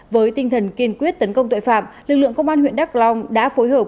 với tinh thần kiên quyết tấn công tội phạm lực lượng công an huyện đắk long đã phối hợp